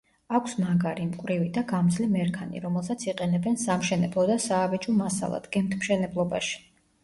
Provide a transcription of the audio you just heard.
აქვს მაგარი, მკვრივი და გამძლე მერქანი, რომელსაც იყენებენ სამშენებლო და საავეჯო მასალად, გემთმშენებლობაში.